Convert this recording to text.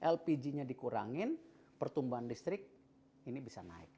lpg nya dikurangin pertumbuhan listrik ini bisa naik